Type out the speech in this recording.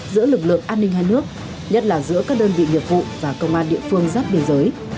giữa lực lượng an ninh hai nước nhất là giữa các đơn vị nghiệp vụ và công an địa phương giáp biên giới